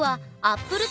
アップル